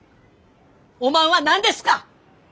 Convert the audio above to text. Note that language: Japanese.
おまんは何ですか！？